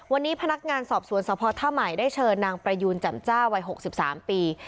วันนี้พนักงานสอบสวนสภท่าใหม่ได้เชิญนางประยูนแจ่มจ้าวัย๖๓ปี